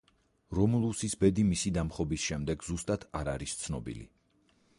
რომულუსის ბედი მისი დამხობის შემდეგ ზუსტად არ არის ცნობილი.